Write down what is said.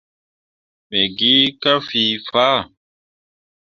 Me gi ka fii faa.